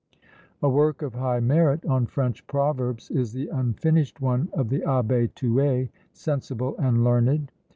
A work of high merit on French proverbs is the unfinished one of the Abbé Tuet, sensible and learned.